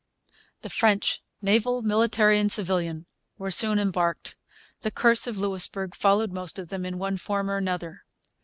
The French naval, military, and civilian were soon embarked. The curse of Louisbourg followed most of them, in one form or another.